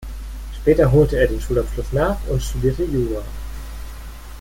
Später holte er den Schulabschluss nach und studierte Jura.